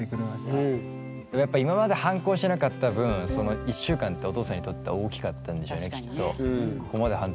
やっぱり今まで反抗してなかった分その１週間ってお父さんにとって大きかったんでしょうねきっと。